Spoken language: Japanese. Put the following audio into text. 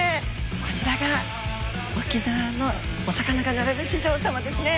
こちらが沖縄のお魚が並ぶ市場様ですね。